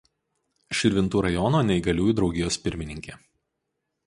Širvintų rajono neįgaliųjų draugijos pirmininkė.